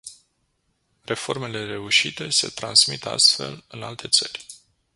Reformele reușite se transmit astfel în alte țări.